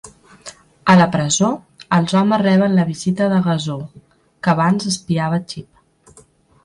A la presó, els homes reben la visita de Gazoo, que abans espiava Xip.